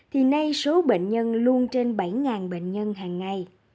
thì nay số bệnh nhân luôn trên bảy bệnh nhân hàng ngày